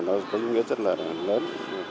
nó có nghĩa rất là lớn